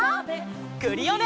クリオネ！